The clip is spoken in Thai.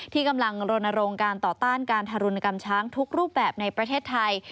ที่กำลังรณรงค์การต่อต้านการทารุณกรรมช้างทุกรูปแบบในประเทศไทย